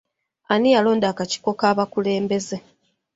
Ani yalonda akakiiko k'abakulembeze?